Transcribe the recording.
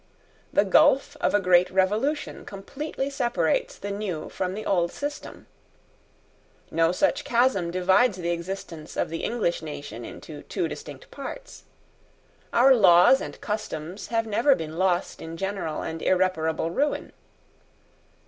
The gulph of a great revolution completely separates the new from the old system. No such chasm divides the existence of the English nation into two distinct parts. Our laws and customs have never been lost in general and irreparable ruin.